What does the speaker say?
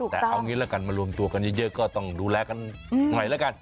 แต่เอางี้ละกันมารวมตัวกันเยอะก็ต้องดูแลกันหน่อยแล้วกัน